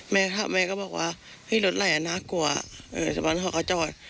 แม่ก็บอกว่ารถไหล่น่ากลัวสำหรับนุ๊กเขาก็จอด